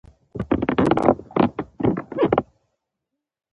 د فراه په شیب کوه کې د سمنټو مواد شته.